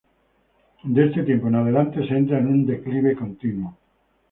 De este tiempo en adelante se entra en un declive continuo.